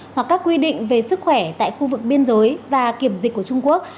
hoặc các quy định về sức khỏe tại khu vực biên giới và kiểm dịch của trung quốc